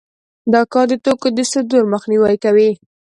دا کار د توکو د صدور مخنیوی کوي